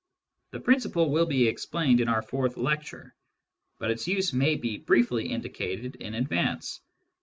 The principle will be explained in our fourth lecture, but its use may be briefly indicated in advance.